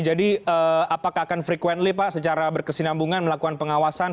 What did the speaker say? jadi apakah akan frequently pak secara berkesinambungan melakukan pengawasan